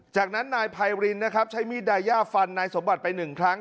จากนั้นนายไพรินนะครับใช้มีดไดย่าฟันนายสมบัติไปหนึ่งครั้ง